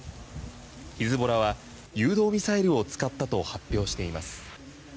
ヒズボラは誘導ミサイルを使ったと発表しています。